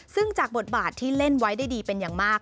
ซึ่งจากบทบาทที่เล่นไว้ได้ดีเป็นอย่างมาก